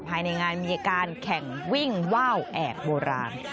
ภายในงานมีการแข่งวิ่งว่าวแอบโบราณ